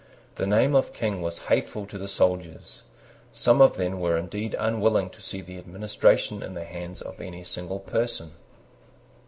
The name of King was hateful to the soldiers. Some of them were indeed unwilling to see the administration in the hands of any single person.